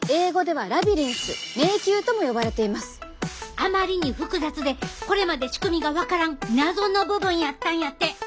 あまりに複雑でこれまで仕組みが分からん謎の部分やったんやて。